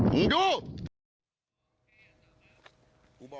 มึงดู